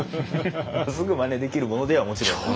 すぐマネできるものではもちろんない。